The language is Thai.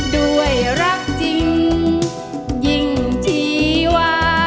ด้วยรักจริงยิ่งชีวา